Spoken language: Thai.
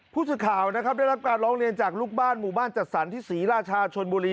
ผู้สื่อข่าวนะครับได้รับการร้องเรียนจากลูกบ้านหมู่บ้านจัดสรรที่ศรีราชาชนบุรี